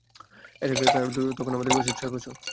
এটা একটা কার দূর্ঘটনা ছিল, তখন আমাদের বয়স ছিল ছয় বছর।